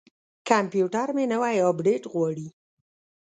کمپیوټر مې نوی اپډیټ غواړي.